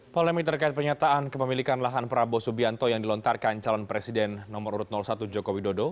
polemik terkait pernyataan kepemilikan lahan prabowo subianto yang dilontarkan calon presiden nomor urut satu jokowi dodo